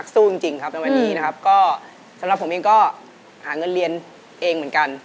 สำหรับผมเองก็หาเงินเรียนเองเหมือนกัน